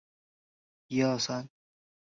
火炬松为松科松属的植物。